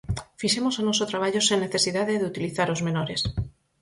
Fixemos o noso traballo sen necesidade de utilizar os menores.